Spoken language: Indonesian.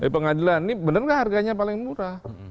pengadilan ini benar nggak harganya paling murah